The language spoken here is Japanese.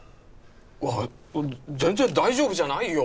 あっ全然大丈夫じゃないよ